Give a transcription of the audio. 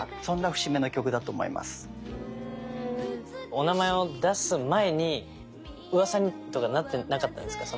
お名前を出す前にうわさとかになってなかったんですか？